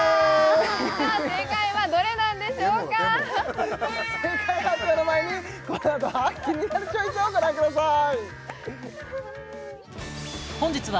さあ正解はどれなんでしょうか正解発表の前にこのあとは「キニナルチョイス」をご覧ください